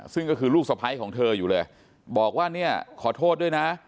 ซึ่งก็คือลูกสะพ้ายของเธออยู่เลยบอกว่าเนี่ยขอโทษด้วยนะ